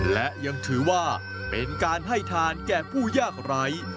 และยังถือว่าเป็นการให้ทานแก่ผู้ยากไร้